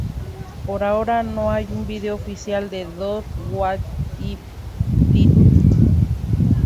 Por ahora, no hay un video oficial de 'Don't Waste the Pretty'.